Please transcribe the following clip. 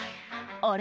あれ？